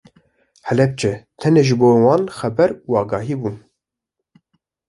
Helepçe tenê ji bo wan xeber û agahî bûn.